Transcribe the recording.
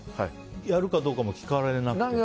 やるかどうかも聞かれなくて？